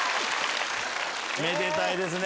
めでたいですね